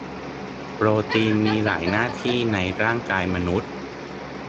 โปรตีนมีหลายหน้าที่ในร่ายกายมนุษย์